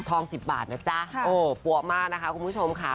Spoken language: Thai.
๑๐บาทนะจ๊ะเออปั๊วมากนะคะคุณผู้ชมค่ะ